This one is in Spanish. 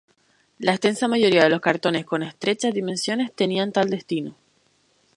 La extensa mayoría de los cartones con estrechas dimensiones tenían tal destino.